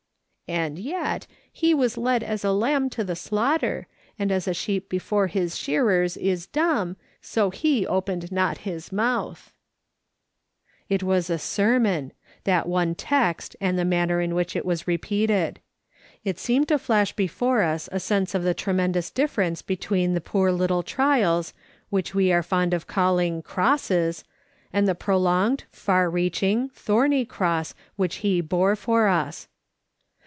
" And yet. He ^\ as led as a lamb to the slaughter, and as a sheep before his shearers is dumb, so he opened not his moutli." It was a sermon ; that one text and the manner 76 MRS. SOLOMON SMITH LOOKING ON. in which it was repeated. It seemed to Hash before lis a sense of the tremendous dilfevence between the poor little trials, which we are fond of callini,' "crosses," and the prolonged, far reaching, thorny cross which He bore for us.